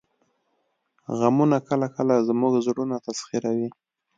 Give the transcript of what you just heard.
غمونه کله کله زموږ زړونه تسخیروي